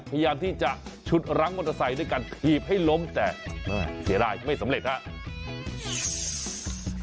พยายามที่จะฉุดรั้งมอเตอร์ไซค์ด้วยการถีบให้ล้มแต่เสียดายไม่สำเร็จครับ